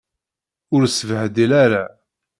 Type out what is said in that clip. Ur sbehdil ara.